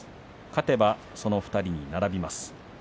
勝てばその２人に並びます。